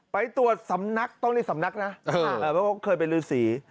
ไปตรวจสำนักต้องเรียกสำนักนะเพราะเคยเป็นฤษี